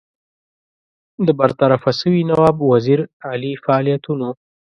د برطرفه سوي نواب وزیر علي فعالیتونو.